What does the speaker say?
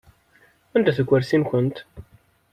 Anda-t ukursi-nkent?